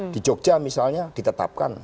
di jogja misalnya ditetapkan